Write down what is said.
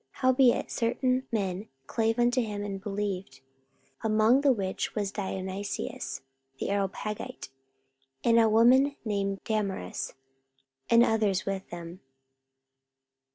44:017:034 Howbeit certain men clave unto him, and believed: among the which was Dionysius the Areopagite, and a woman named Damaris, and others with them.